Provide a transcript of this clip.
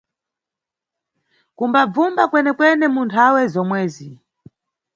Kumbabvumba kwene-kwene mu nthawe zomwezi.